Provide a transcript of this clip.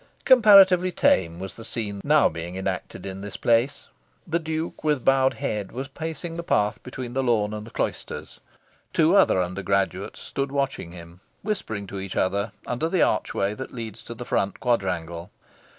Comparatively tame was the scene now being enacted in this place. The Duke, with bowed head, was pacing the path between the lawn and the cloisters. Two other undergraduates stood watching him, whispering to each other, under the archway that leads to the Front Quadrangle.